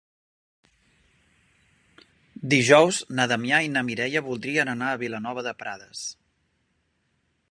Dijous na Damià i na Mireia voldrien anar a Vilanova de Prades.